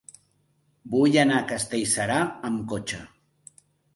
Vull anar a Castellserà amb cotxe.